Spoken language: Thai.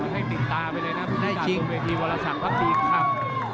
ให้ติดตาไปเลยนะพุทธศาสตร์เวทีวรสักภาพปีนครั้ง